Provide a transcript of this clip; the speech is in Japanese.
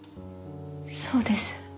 そうです。